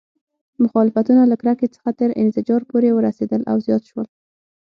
مخالفتونه له کرکې څخه تر انزجار پورې ورسېدل او زیات شول.